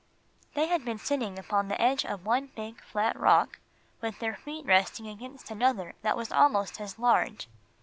They had been sitting upon the edge of one big flat rock, with their feet resting against another that was almost as large.